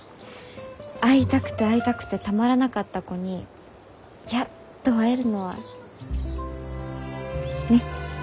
会いたくて会いたくてたまらなかった子にやっと会えるのはねっ。